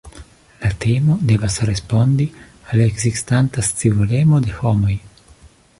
La temo devas respondi al ekzistanta scivolemo de homoj.